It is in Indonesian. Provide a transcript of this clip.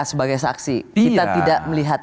sebagai saksi kita tidak melihat